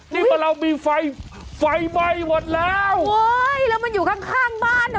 นี่พอเรามีไฟไฟไหม้หมดแล้วโอ้ยแล้วมันอยู่ข้างข้างบ้านอ่ะ